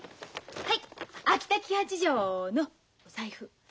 はい。